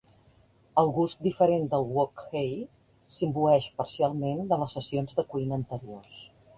El gust diferent del wok hei s'imbueix parcialment de les sessions de cuina anteriors.